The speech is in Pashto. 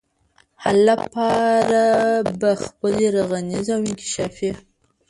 حل لپاره به خپلي رغنيزي او انکشافي